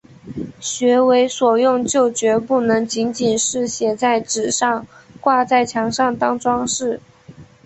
学为所用就决不能仅仅是写在纸上、挂在墙上当‘装饰’